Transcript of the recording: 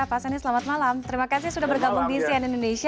pak sani selamat malam terima kasih sudah bergabung di sian indonesia